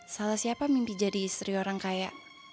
salah siapa mimpi jadi istri orang kaya